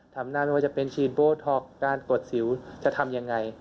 ถามหน้าว่าจะเป็นชีนโบท็อกการกดสิวจะทำอย่างไร